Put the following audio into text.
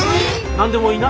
何でも言いな。